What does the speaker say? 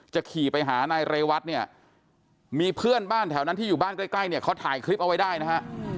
ขี่ไปหานายเรวัตเนี่ยมีเพื่อนบ้านแถวนั้นที่อยู่บ้านใกล้เนี่ยเขาถ่ายคลิปเอาไว้ได้นะฮะ